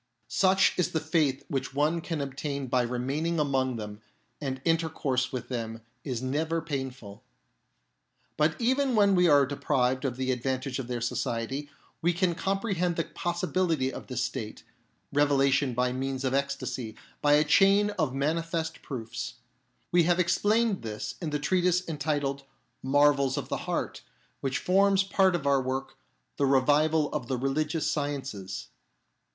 Such is the faith which one can obtain by remaining among them, and intercourse with them is never painful. But even when we are deprived of the ad vantage of their society, we can comprehend the possibility of this state (revelation by means of ecstasy) by a chain of manifest proofs. We have explained this in the treatise entitled Marvels of the Heart, which forms part of our work, The Revival of the Religious Sciences.